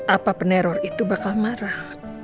apa peneror itu bakal marah